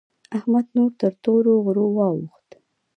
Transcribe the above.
احمد نور تر تورو غرو واوښت.